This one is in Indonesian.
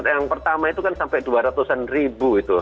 yang pertama itu kan sampai dua ratus an ribu itu